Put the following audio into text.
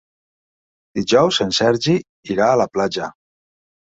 Dijous en Sergi irà a la platja.